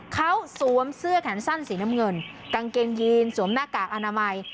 เขาสวมเสื้อแขนสั้นสีน้ำเงินกางเกงยีนสวมหน้ากากอนามัย